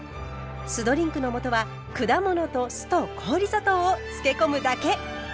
酢ドリンクの素は果物と酢と氷砂糖を漬け込むだけ！